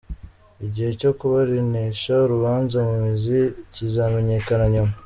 Igihe cyo kuburanisha urubanza mu mizi kizamenyekana nyuma.